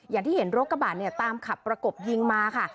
อย่างที่เห็นรถกระบะเนี่ยตามขับประกบยิงมาค่ะ